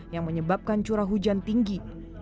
yang menyebabkan curah hujan tinggi